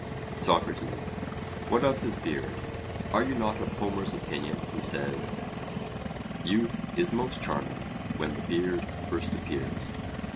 SOCRATES: What of his beard? Are you not of Homer's opinion, who says 'Youth is most charming when the beard first appears'?